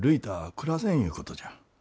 暮らせんいうことじゃ。